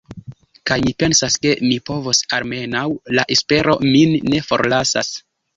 Kaj mi pensas, ke mi povos, almenaŭ la espero min ne forlasas.